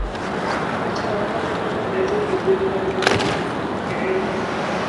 kocha wa kwanza kuwapa brazil ubingwa wa dunia alikuwa Pereira